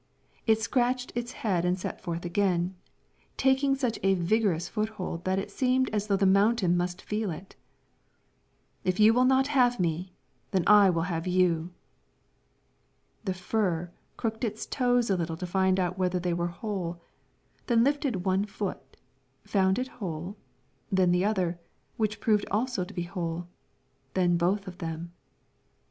It scratched its head and set forth again, taking such a vigorous foothold that it seemed as though the mountain must feel it. "If you will not have me, then I will have you." The fir crooked its toes a little to find out whether they were whole, then lifted one foot, found it whole, then the other, which proved also to be whole, then both of them.